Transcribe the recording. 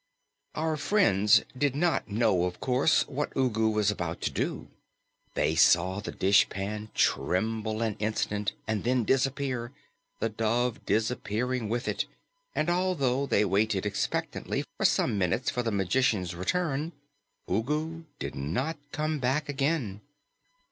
Our friends did not know, of course, what Ugu was about to do. They saw the dishpan tremble an instant and then disappear, the dove disappearing with it, and although they waited expectantly for some minutes for the magician's return, Ugu did not come back again.